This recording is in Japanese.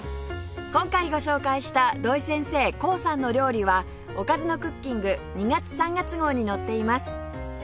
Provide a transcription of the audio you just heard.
今回ご紹介した土井先生コウさんの料理は『おかずのクッキング』２月３月号に載っています